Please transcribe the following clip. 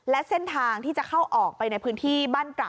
และเส้นทางที่จะเข้าออกไปในพื้นที่บ้านตระ